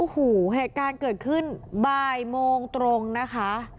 โอ้โหเหตุการณ์เกิดขึ้นบ่ายโมงตรงนะคะ